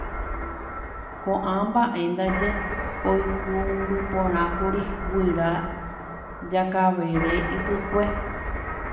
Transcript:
Ko'ã mba'e ndaje oikũmbyporãkuri guyra Jakavere Ypykue